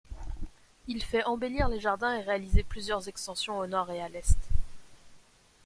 Il fait embellir les jardins et réaliser plusieurs extensions au nord et à l'est.